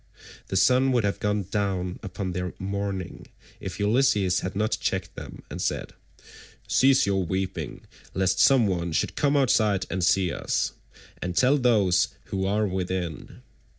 The sun would have gone down upon their mourning if Ulysses had not checked them and said: "Cease your weeping, lest some one should come outside and see us, and tell those who are within.